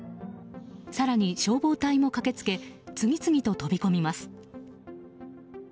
更に消防隊も駆けつけ次々と飛び込みます。